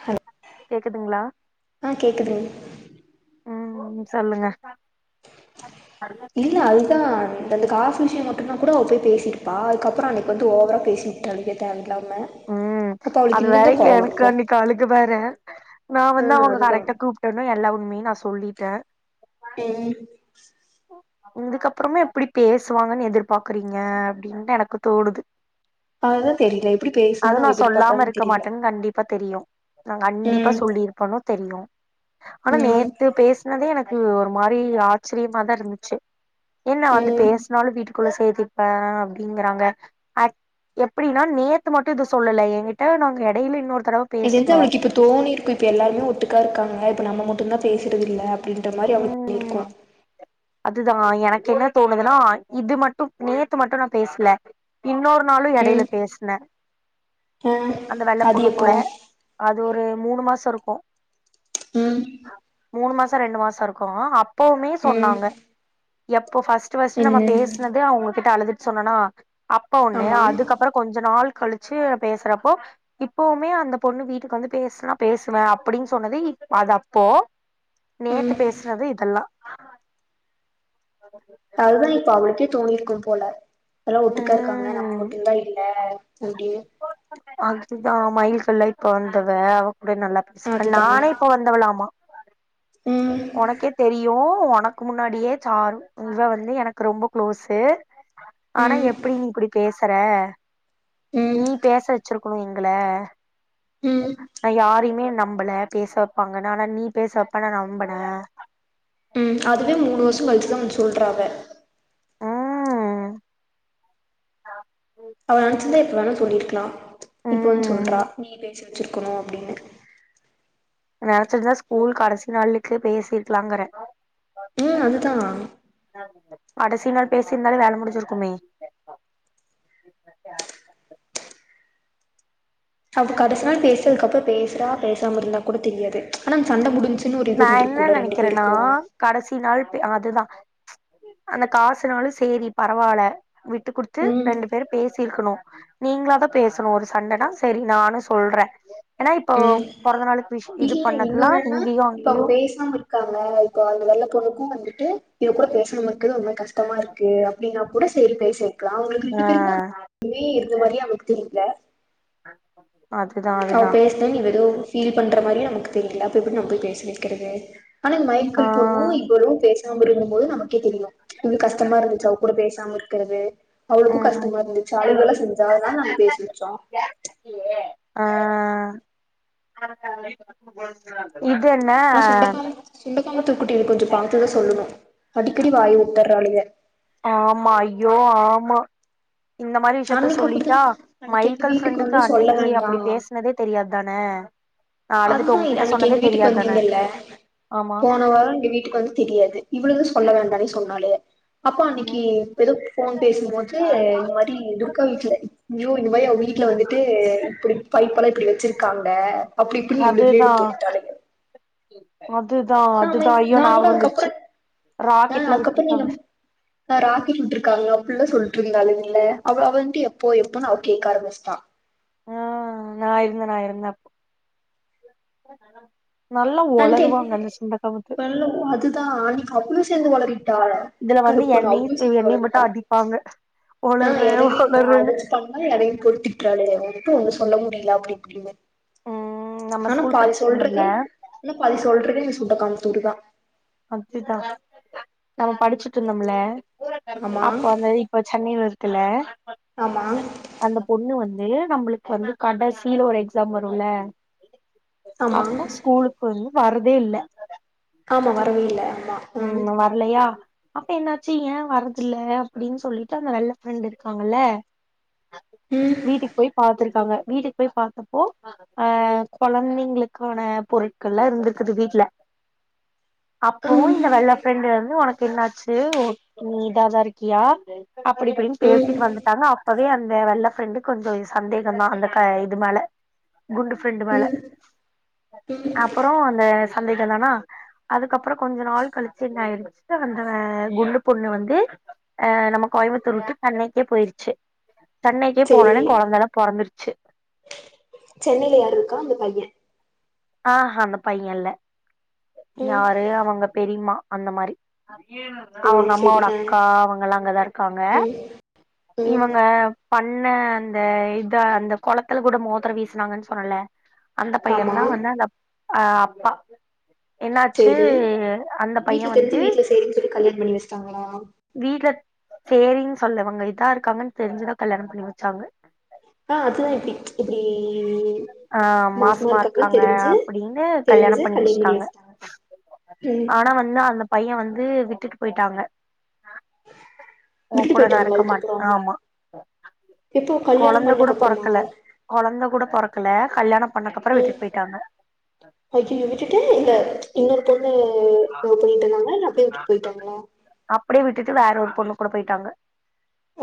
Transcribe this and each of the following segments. Hello கேக்குதுங்ளா ஆ கேக்குதுங் உம் சொல்லுங்க இல்ல அதுதான் அ அந்த காசு விஷயம் மட்டுனா கூட அவ போய் பேசிருப்பா அதுக்கப்பறம் அன்னைக்கு வந்து ஓவரா பேசி [unintelligible] எல்லாமே உம் அது வேற எனக்கு அன்னைக்களுக வேற நான் ஆ வந்து அவங்க அதுதான் கரெக்டா கூப்டோனே எல்லா உண்மேயுமே நான் சொல்லிட்டேன் உம் இதுக்கப்புறமே எப்டி பேசுவாங்கன்னு எதிர்பாக்கறீங்க அப்படின் எனக்கு தோணுது அதுதான் தெரியல எப்படி அது பேசுவான்னு நா அவ சொல்லாம எதிர்பார்க்கறான்னு இருக்க தெரியல மாட்டேன் கண்டிப்பா தெரியு நா கண்டிப்பா ம் சொல்லியிருப்பன்னு தெரியு ஆனா ம் நேத்து பேசுனதே எனக் ஒரு மாரி ஆச்சர்ய மாதா இருந்துச்சு என்ன வந்து ம் பேசுனாலு வீட்டுக் குள்ள சேத்திப்ப அப்டிங்கறாங்க அ எப்டின்னா நேத்து மட்டு இது சொல்லல என்கிட்ட நாங்க எடையில இன்னொரு தடவ இதே தா பேசுனோ அவளுக்கு இப்போ தோணி இருக்கு இப்ப எல்லாருமே ஒட்டுக்கா இருக்காங்க இப்ப நம்மட்டு இப்பல்லா பேசுறதில்ல அப்டின்ற மாதிரி அவக் இருக்கோம் தான எனக்கு என்ன தோணுதுனா இது மட்டு நேத்து மட்டு நா பேசல இன்னொரு நாலு இடையில ம் பேசினே ஆ அந்த வெள்ள அது பொண்ணு எப்போ கூட அது ஒரு மூணு மாசம் இருக்கும் ம் மூணு மாசம் ரெண்டு மாசம் இருக்கோ [unintelligible] எப்பவுமே ம் சொன்னாங்க எப்ப இப்ப பர்ஸ்ட் பர்ஸ்ட் என்ன நம் பேசனது அவங்க கிட்ட அழுதுட்டு சொன்னனா அப்ப ஒன்னு ஆமா அதுக்கப்புற கொஞ்ச நாள் கழிச்சு பேசுறப்போ இப்பவுமே அந்த பொண்ணு வீட்டுக்கு வந்து பேசனா பேசுவேன் அப்படின்னு சொன்னது அது அப்போ நேத்து ம் பேசுனது இதெல்லா [inaudible] அதுதா இப்ப அவளுக்கே தோணிருக்கோ போல எல்லா ஒட்டுக்கா இருக்காங்க நம்ம ம் மட்டு தா இல்ல அப்டின்னு அதுதா [unintelligible] இப்ப வந்தவ அப்டி நல்லா பேசுறேன் அதுதாங்க நானே இப்ப வந்திரலாமா ம் உனக்கே தெரியும் உனக்கு முன்னாடியே சார் இவா வந்து எனக்கு ரொம்ப கு்ளோஸு ஆனா ம் எப்டி நீ குடி பேச கர ம் நீ பேச வச்சிருக்க எங்கள ம் நா யாரையுமே ந நம்பல பேச வைப்பாங்கன்னு ஆனா நீ பேச வப்பன்னு நம்புனேன் உம் அதுவே மூணு வருஷம் கழிச்சுதான் சொல்றா அவ ம் அவ நெனச்சிருந்தா எப்ப வேணா சொல்லிருக்கலா இப்ப வந்து ம் சொல்றா நீ பேசி வெச்சுருக்கணு அப்டின்னு வரச்சொல்றா ஸ்கூல் கடசி நாளு க்கு பேசிருக்கலாங்குற ம் அதுதா [unintelligible] கடசி நாள் பேசியிருந்தாலே வேல முடுஞ்சுருக்குமே அவ கடசி நாள் பேசுறதுக்குப்பறோ பேசுறா பேசாம இருந்தா கூட தெரியாது ம்ச் ஆனா சண்ட முடுஞ்சு நா என்ன நெனைக்கிறன்னா கடசி நாள் அதுதா அந்த காசுனாலு சேரி பரவால விட்டு குடுத்து ம் ரெண்டு பேர் பேசிருக்கனு நீங்களாதா பேசணு ஒரு சண்டனா சேரி நானு சொல்ற ஏனா இப்போ ம் பொறந்த நாளுக்கு விஷ் இது இல்ல பண்ணதல்லா இன்னொன்னுன்னா இங்கேயு அங் இப்ப பேசாம இருக்காங்க இப்ப அவங்க வெள்ளப் போ அவளுக்கு வந்துட்டு இவ கூட பேசாம இருக்குறது ரொம்ப கஷ்டமா இருக்கு அப்படின்னா கூட சேரி பேசு க்ளா அவங்களுக்கு ஆ எப்படி தெரியுமா மே இருக்குற மாரியா அவங்களுக்கு தெரில அதுதா அவ அதுதா பேஸ்ட்டு நீ வெளிய [unintelligible] ஃபீல் பண்ற மாரியே நமக்கு தெரியல அப்போ எப்படி நம்ம போய் பேச வெக்கிறது ஆனா ஆ மைக்கிள் பொண்ணு இவளு பேஸ் நம்ப இருக்கும் போது நம்ம எனக்கே தெரில ம்ச் இவ்வள கஷ்டமா இருந்துச்சு அவ கூட பேசாம இருக் இருக்குறது அவளுக்கு கஷ்டமா ம் இருந்துச்சா அழுகல்லா செஞ்ஜா அதனால நாங்க பேச வெச்சோ ஆ [inaudible] ஆனா சுண்டக்காம் சுண்டக்காம்புதூர் குட்டி இரு கொஞ்சம் பாத்தத சொல்லுணு அடிக்கடி வாயுட்டுர்றாளுங்க ஆமா அய்யோ ஆமா இந்த மாதிரி விஷயத்த அன்னைக்கு அப்டிதா சொல்லிட்டா அன்னைக்கு எங்க மைல்கல் வீட்டுக்கு ஃப்ரெண்டுக்கு வந்து சொல்ல அன்னைக்கு வேண்டா அப்படி பேசுனதே தெரியாதுதான அதுதா அன்னைக்கு எங்க வீட்டுக்கு தான வந்திங்கல்ல ஆமா போன வாரோ எங்க வீட்டுக்கு வந்தது தெரியாது இவ்ளுகளு சொல்ல வேண்டானேஸ் சொன்னாலுக அப்பா அன்னைக்கு ம் ஏதோ ஃபோன் பேசும் போது இந்த மாதிரி துர்கா வீட்ல நியூ இந்த மாரி அவ வீட்ல வந்துட்டு இப்படி பைப்பெல்லா இப்படி வெச்சுருக் இருக்காங்க அப்டி இப்டின்னு இவளுக எழுத்து தலமேல ஆம் நாமே நா கூட அதுக்கப்புறோ ஆ ராக்கெட்ல அதுக்கப்புறோ நீங்க விட்ருக்காங்க ஆ ராக்கெட் விட்ருக்காங்க அப்டில்லா சொல் லிருந்தாளுங்கில்ல அப்றோ அவ வந்து எப்போ எப்போன்னு அவ கேக்க ஆரம்பிச்சுட்டா. ஆ நா இருந்தே நா இருந்தே அப்போ. நல்லா ஒளருவாங்க அந்த சுண்டக்கா முத்து [unintelligible] அதுதா அன்னைக்கி அவளு சேந்து ஒளறிட்டா இதுல வந்து கருப்பு பொண்ணு அவுளு என்னையு சேந்து என்னைய மட்டு ஒளறிட்டா அடிப்பாங்க ஆ ஒளர்ற எறங்கி நின்னு ஒளர்றன்னு அடிச்சுட்டாங்கன்னு [unintelligible] க்கு ஒண்ணு சொல்ல முடியல அப்டி இப்டின்னு. ம் நம்ம ஆனா ஸ்கூல் பாதி படிச்சுட்டு சொல்றதே இருந்தோம்ல சொல்றதே சுத்த [unintelligible] அதுதா நம்ம படிச்சுட்ருந்தோம்ல ஆமா அப்போ வந்து இப்ப சென்னையில இரு த்துல ஆமா து நம்மளுக்கு வந்து கடைசில ஒரு எக்ஸாம் வரும்ல ஆமா அப்போ ஸ்கூலுக்கு வந்து வரதே இல்ல ஆமாங்க புரியல ம் வரலையா அப்போ என்னாச்சு ஏ வர்றதில்ல அப்படின்னு சொல்லிட்டு அந்த வெள்ள ஃப்ரெண்ட் இருக்காங்கல்ல ம் வீட்டுக்கு போய் பாத்திருக்காங்க வீட்டுக்கு போய் பாத்தப்போ ஆ கொழந்தைங்களுக்கான பொருட்கள்லா இருந்திருக்குது வீட்ல இப்பவு இந்த வெள்ள ஃபிரெண்ட் வந்து உன க்கு என்னாச்சு ஓ நீ இதாதா இருக்கியா அப்டி இப்டினு ம் ம் பேசிட்டு வந்துட்டாங்க அ ப்பவே அந்த வெள்ள ஃப்ரெண்டுக்கு கொஞ்சோ சந்தேகந்தா அந்த க இது மேல குண்டு ஃபிரண்டு மேல ம் ம் அப்புறோ அந்த சந்தேகந்தானா அதுக்கப் புறோ கொஞ்ச நாள் கழிச்சி என்ன ஆயிடுச்சி அந்த குண்டு பொண்ணு வந்து ஆ நம்ம கோயம்புத்தூர் விட்டு சென்னைக்கே போயிருச்சு. சென்னைக்கே சேரி போனவுன்னே கொழந்தெல்லா பொறந்திருச் சென்னைல யார் இருக்கா அந்த பைய ஆஹா அந்த பைய இல்ல ம் யாரு அவங்க பெரிய்மா அந்த மாரி ஓ அவங்க செரி அம்மாவோட ஆ அக்கா அவங்க எல்லா அங்கதா இருக்காங்க ம் இவங்க ம் ப ண்ண அந்த இத அந்த கொளத்துல கூட மோதரோ வீசுனாங்கன்னு சொன்னல்ல அந்த ஆமா பையன்தா வந் ஆ அப்பா என்னாச்சு சேரி அந்த பைய வீட்ல தெரிஞ்சு வந்து வீட்ல சேரின்னு சொல்லி கல்யாணம் பண்ணி வச்சுட்டாங்களா வீட்ல சேரின்னு சொன்னவங்க இத் க்கா இருக்காங்கன்னு தெரிஞ்சுதா கல்யாணம் பண்ணி வச்சாங்க ஆ அது தா இப்டி இப்டி ஆ மாசமா இருக்காங்கன்னு இருக்காங்க தெரிஞ்சு அப்டின்னு கல்யாணம் பண்ணி வச்சுட்டாங்க ம் ஆனா வந்து அந்த பையன் வ ந்து விட்டுட்டு போயிட்டாங்க உன் விட்டுட்டு கூட நா போயிட்டாங்களா இருக்க மாட் அதுக்கப்புறோ ஆமா எப்போ கல்யாணம் கொழந்த கூட பண்ணக்கப்புறமா பொறக்கல கொழந்த கூட பொறக் கல கல்யாணம் ம் அய்யய்யோ விட்டுட்டு இல்ல இன்னொரு பொண்ண லவ் பண்ணிட்டு இருந்தாங்கல அப்டியே விட்டுட்டு வேற ஒரு பொண்ணு கூட போயிட்டாங்க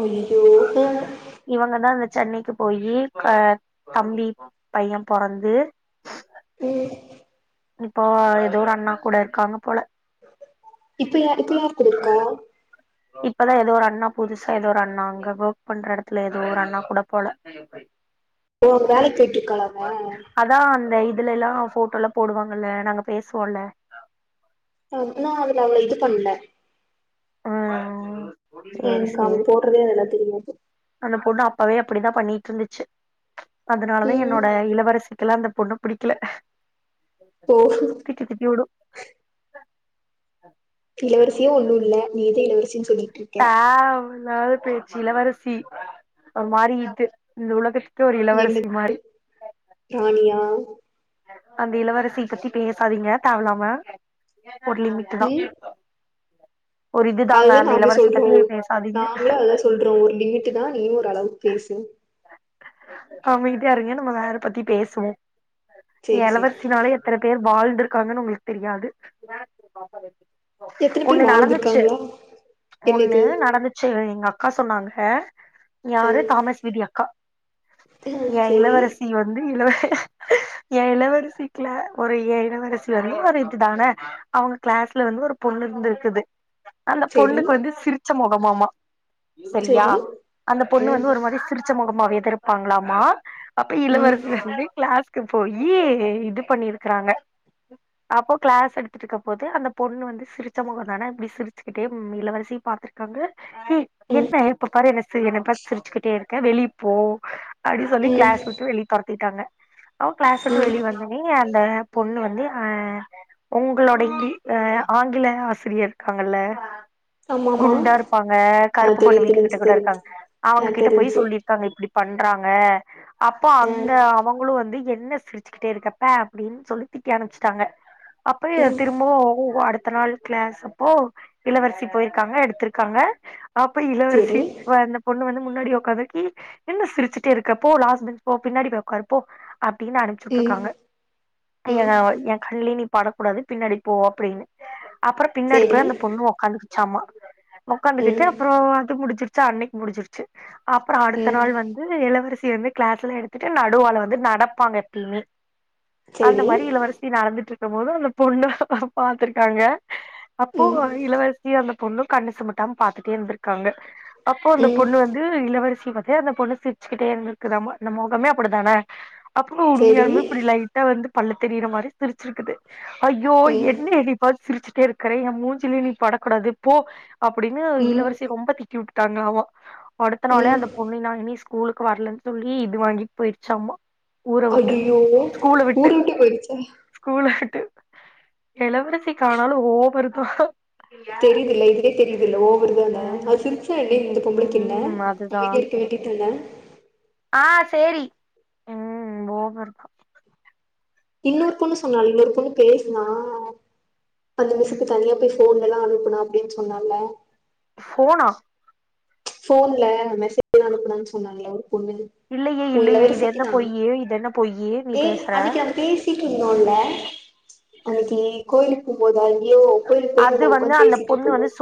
அய்யோ அ இவங்கதா இந்த சென்னைக்கு போயி க தம்பி பையன் பொறந்து ம் இப்போ ஏதோ ஒரு அண்ணா கூட இருக்காங்க போல இப்ப யா இப்ப யாரு கூட இருக்கா இப்ப தா ஏதோ ஒரு அண்ணா புதுசா ஏதோ ஒரு அண்ணா அங்க ஒர்க் பண்ற இடத்துல ஏதோ ஒரு அண்ணா கூட போல ஓ வேலைக்கு போயிட்டுருக்காளா அவ இதுல எல்லா போட்டோல போடுவாங்கல்ல நாங்க பேசுவோம்ல அப்றோம் அவள அவ்ளோ இது பண்ல ஆ எனக் அவ போடுறதே அதுல தெரியது அந்த பொண்ணு அப்பவே அப்டிதான் பண்ணிட்டு இருந்துச்சு அதனாலதா ம் என்னோட இளவரசி எல்லா அந்த பொண்ண புடிக்கல ஓ திட்டி திட்டி உடு அ இளவரசியே ஒன்னும் இல்ல நீ தா இளவரசினு போயிட்ருக்கேன் நாள் பேய்ச்சி இளவரசி ஒரு மாரி இது இந்த உலகத்து [unintelligible] என்ன இளவரசி மாரி [inaudible] அந்த இளவரசிய பத்தி பேசாதீங்க தேவயில்லாம ஒரு லிமிட் தா ஒரு அது இதுதாங்க தா அந்த நாங்களும் இளவரசி சொல்றோ பத்தி பேசாதீங்க நாங்களும் அத தா சொல்றோ ஒரு லிமிட்டு தா நீயும் ஓரளவுக்கு பேசு அமைதியா இருங்க நம்ம வேற பத்தி பேசுவோம் சேரி சேரி எளவரசினால எத்தன பேர் வாழ்ந்துருக்காங்கன்னு அவுங்களுக்கு தெரியாது. க்கு எத்தன பேர் வாழ்ந்திருக் ச்சு ஒண்ணு நடந்துச்சு எங்க அக் கா சொன்னாங்க அ யாரு தாமஸ் விதி அக்கா அ ஏன் சேரி இளவரசி வந்து இள ஏன் இளவரசிக்குல ஒரு ஏ இளவரசி வந்து ஒரு இதுதான அவுங்க கிளாஸ்ல வந்து ஒரு பொண்ணு இருந்துருக்குது அந்த சேரி பொண்ணுக்கு வந்து சிரி ச்ச முகமாமா சரியா? சேரி அந்த பொண்ணு ம் வந்து ஒரு மாரி சிரிச்ச மொக மாவாதே இருப்பாங்களாமா. அப்ப ம் இளவரசி வந்து கிளாஸ் க்கு போயி இது பண்ணிருக்கறாங்க. அப்போ கிளாஸ் எடுத்துட்ருக்கும்போது அந்த பொண்ணு வந்து சிரிச்ச மொகந்தானே அப்டியே சிரிச்சுக்கிட்டே இளவரசிய பாத்துருக்காங்க ஏய் ம் என்ன எப்ப பாரு என்ன சி என்ன பாத்து சிரிச்சுக்கிட்டே இருக்க வெளிய போ அப்டினு சொல்லி ம் கிளாஸ் விட்டு வெளிய தொரத்திட்டாங்க. அவ கிளாஸ் விட்டு ம் வெளிய வந்தன்னே அந்த பொண்ணு வந்து ஆ உங்களோட இ ஆ ஆங்கில ஆசிரியர் க்காங்கல்ல ஆமா ஆமா குண்டா இருப்பாங்க ஆ கருப்பு பொண்ணு தெரியுது வீட்டுகிட்ட தெரிஞ்சு கூட தெரிஞ்சு இருக்காங்க. அவங்க ஆ கிட்ட போய் தெரிஞ்சு சொல்லிருக்காங்க இப்டி பண்றாங்க அப்போ அந்த ஆ அவங்களு வந்து எ ன்ன சிரிச்சுக்கிட்டே இருக்க பே அப்டின்னு சொல்லி திட்டி அனுப்புச்சுட்டாங்க. அப்ப ம் திரும்பவு இப்போ அடுத்த நாள் க்ளாஸ் அப் போ இளவரசி போயிருக்காங்க எடுத்திருக்காங்க. அப்ப செரி இளவரசி ஆ அந்த பொண்ணு வந்து முன்னாடி உக்காந்துருக்கி. என்ன சிரிச்சுட்டே இருக்க? போ லாஸ்ட் பெஞ்ச் போ பின்னாடி போ உக்காரு போ அப்டின்னு அனுப்பிச்சு ம் உட்ருக்காங்க. ம் ஏன்னா என் கண்லயே நீ படக்கூடாது பின்னாடி போ அப்டின்னு அப்ப பின்னாடி செரி போய் அந்த பொண்ணு உக்காந்துக்கு ச்சாமா உக்காந்துக்கிட்டு ம் அப்றோ அது முடிஞ்சுரு ச்சா அன்னைக்கு முடிஞ்சிருச்சு. அப்றோ அடுத்த ம் நாள் வந்து இளவரசி வந்து கிளாஸ்லா எடுத்துட்டு நடுவால வந்து நடப்பாங்க எப்பயுமே. அந்த செரி மாரி இளவரசி நடந்துட் ருக்கும்போது அந்த பொண்ண அவங்க பாத்துருக்காங்க. அப்போ ம் இளவரசிய அந்த பொண்ணு கண்ணு சிமுட்டாம பாத்துட்டே இருந்திருக்காங்க. அப்போ அந்த ம் பொண்ணு வந்து இளவரசிய பாத்தே அந்த பொண்ணு சிரிச்சுக்கிட்டே இருந்திருக்குதாம்மா அந்த மொகமே அப்டிதானே அப்றோ செரி உண்மையாலுமே இப்டி லைட்டா வந்து பல்லு தெரியிற மாரி சிரிச்சிருக்குது. ஐயோ ம் என்ன என்னய பாத்து சிரிச்சு க்கற ஏன் மூஞ்சியிலயே நீ படக்கூடாது போ அப்டின்னு ம் இளவரசி ரொம்ப திட்டி உட் டாங்களாம்மா அடுத்த நாளே ம் அந்த பொண்ணு நா இனி ஸ் கூலுக்கு வரலன்னு சொல்லி இது வாங்கிட்டு போயிருச்சாமா. ஐயயோ ஊர விட்டே போயிடுச்சா? இளவரசிக்கு ஆனாலு ஓ வருதா தெரியுதில்ல இதுலயே தெரியு தில்ல ஒவர்தான? அது ம் சிரிச்சா என்ன இந்த பொம்பளைக்கென்ன ம் அதுதா அமைதியா இருக்க வேண்டியதான? ஆ சேரி ம் ஓவர்தா. இன்னொரு பொண்ணு சொன்னா இன்னொரு பொண்ணு பேசுனா அந்த மிஸ்ஸுக்கு தனியா போய் ஃபோன்லல்லா அனுப்புன அப்டினு சொன்னால்ல? ஃபோனா? ஃபோன்ல மெசேஜ் அனுப்புனன்னு சொன்னால்ல ஒரு பொண்ணு இல்லையே உ இல்லையே இது என்ன இளவரசிக்குதா பொய்யி இது என்ன பொய்யி நீ பேசுற? ருந்தோம்ல அன்னக்கி கோயிலுக்கு போம்போது அது ஐயோ கோயிலுக்கு போயிட்டு வந்து உக்காந்து பேசிட்ருக்கும்போது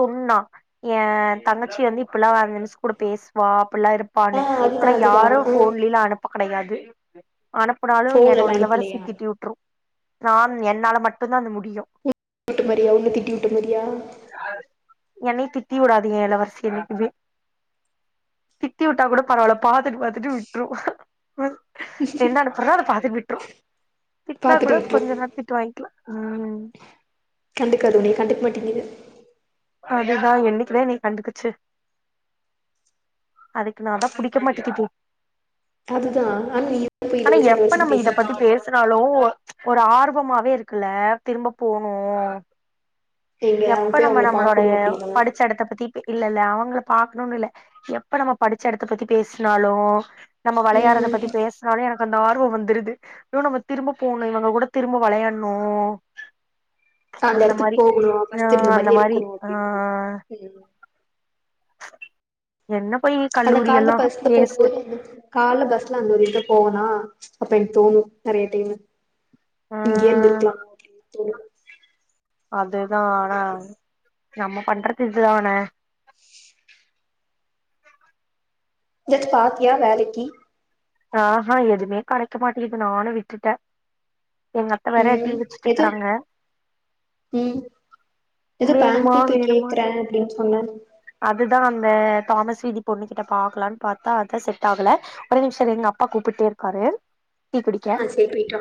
ஏன் தங்கச்சி வந்து இப்பல்லா அந்த மிஸ் கூட பேசுவா அப்பல்லா ஆ இருப்பான்னு. அதுதா ஆனா அதுதா யாரு ஆ ஃபோன்லயில்லா அனுப்ப கெடையாது. [inaudible] அனுப்புனாலு என்னோட ஃபோன்லல்லா இளவரசி அனுப்பலையா திட்டி வுட்ரு. நான் என்னால மட்டுந்தா அது முடியு. திட்டுன மாரியா உன்ன திட்டி விட்ட மாரியா? என்னைய திட்டி உடாது ஏன் இளவரசி என்னைக்குமே. திட்டி உட்டா கூட பரவால்ல பாத்துட்டு பாத்துட்டு விட்ரு ம் என்னான்னு பரவால்ல பாத்துட்டு விட்ரு. திட்னா கூட பாத்துட்டு விட்ரு கொஞ்ச நேர திட்டு வாங்கிக்லா. ம் [unintelligible] உன்னய கண்டுக் மாட்டிங்கிது அதுதா என்னக்கிதா என்னய கண்டுக்கிச்சு அதுக்கு நாதா புடிக்க மாட்டிக்கிது அதுதா ஆன [unintelligible] இப்ப இளவரசி எப்ப இளவரசின் நம்ம இத பத்தி பேசிட்ருக்க பேசுனாலு ஒரு ஆர்வமாவே இருக்குல்ல திரும்ப போணு எங்க அங்க எப்ப போய் நம்ம அவங்கள நம்மளொடைய பாக்கணு அப்டின்னா படுச்ச எடத்த பத்தி பே இல்லெல்ல அவுங்கள பாக்கணுன் இல்ல எப் ப நம்ம படுச்ச எடத்த பத்தி பேசுனாலு நம்ம வெளையாறத ம் பத்தி பேசுனாலே எனக் அந்த ஆர்வொ வந்துருது எதோ நம்ம திரும்ப போணு இவுங்க கூட திரும்ப வெளையாண்ணு சொ அந்த எடத்துக் போகணு ஃபஸ்ட்டு இருந்த அந்த மாரியே மாரி இருக்கணு ஆ அப்டின் தோனுது [inaudible] என்ன போய் அந்த கல்லூரி கால்ல எல்லா பஸ்ல வேஸ்ட்டு போம்போது கால்ல பஸ்ல அந்த ஒரு இந்த போவொனா அப்ப எனக் தோணு நெறைய டைமு ஆ இங்யே இருந்துருக்லா [inaudible] அதுதா ஆனா நம்ம பண்றது இதுதான எங்யாச்சு பாத்தியா வேலைக்கி ஆஹா எதுவ்மே கெடைக்க மாட்டிக்கிது நானு விட்டுட்டே எங்க அத்த வேற டீ ம் வச்சுட்டு எதோ இருக்கறாங்க ம் எதோ வேணுமா பேங்க்க்கு வேணுமா கேக்குறே அப்டின் சொன்ன இந்த தாமஸ் வீதி பொண்ணு கிட்ட பாக்லான் பாத்தா அதா செட் ஆகல ஒரு நிமிஷ் [unintelligible] எங்க அப்பா கூப்பிட்டே இருக்காரு டீ குடிக்க ஆ சே போயிட்டுவா